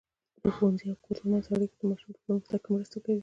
د ښوونځي او کور ترمنځ اړیکه د ماشوم په پرمختګ کې مرسته کوي.